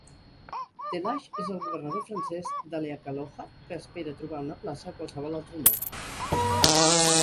De Lage és el governador francès d'Haleakaloha que espera trobar una plaça a qualsevol altre lloc.